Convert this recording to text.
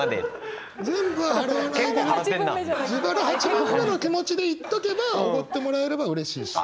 八分目の気持ちで行っとけばおごってもらえればうれしいし。